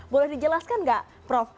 boleh dijelaskan nggak prof